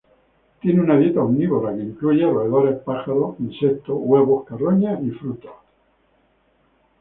Tiene una dieta omnívora que incluye roedores, pájaros, insectos, huevos, carroña y frutos.